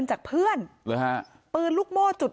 นางศรีพรายดาเสียยุ๕๑ปี